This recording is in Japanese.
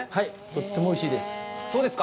とってもおいしいです。